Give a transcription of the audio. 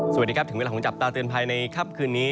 สวัสดีครับถึงเวลาของจับตาเตือนภัยในค่ำคืนนี้